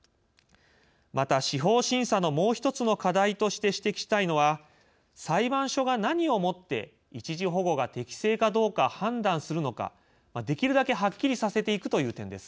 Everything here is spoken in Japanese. また司法審査のもう１つの課題として指摘したいのは裁判所が何をもって、一時保護が適正かどうか判断するのかできるだけはっきりさせていくという点です。